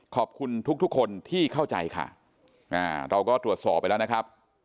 ขอบคุณทุกทุกคนที่เข้าใจค่ะเราก็ตรวจสอบไปแล้วนะครับ